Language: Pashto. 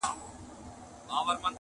نهار خوښ یم په ښکار نه ځم د چنګښو.